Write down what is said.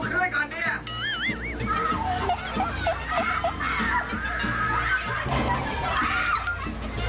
คุณเขาหนูน่ารัก